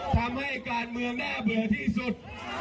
ทำให้การเมืองน่าเบื่อที่สุด